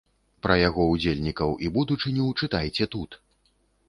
Пра яго ўдзельнікаў і будучыню чытайце тут!